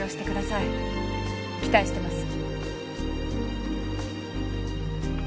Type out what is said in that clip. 期待してます。